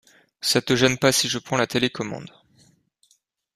Ça te gêne pas si je prends la télécommande.